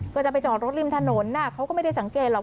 ก็จะไปจอดรถริมถนนเขาก็ไม่ได้สังเกตหรอก